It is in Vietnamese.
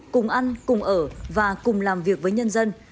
cùng ăn cùng ở và cùng làm việc với nhân dân